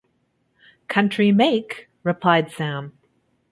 ‘Country make,’ replied Sam.